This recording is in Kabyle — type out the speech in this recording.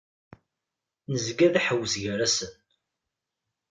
Nezga d aḥewwes gar-asen.